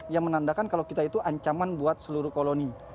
yang menandakan kalau kita itu ancaman buat seluruh koloni